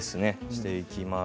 していきます。